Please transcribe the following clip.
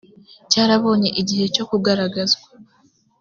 cyarabonye igihe cyo kugaragazwa